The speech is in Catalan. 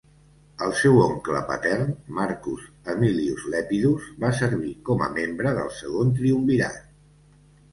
El seu oncle patern, Marcus Aemilius Lepidus, va servir com a membre del Segon Triumvirat.